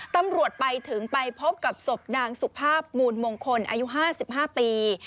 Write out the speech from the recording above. ตำรวจไปถึงไปพบกับศพนางสุภาพมูลมงคลอายุ๕๕ปี